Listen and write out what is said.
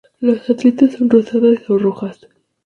Las aletas son rosadas o rojas.